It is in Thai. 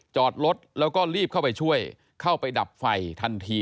จอดรถแล้วก็รีบเข้าไปช่วยเข้าไปดับไฟทันที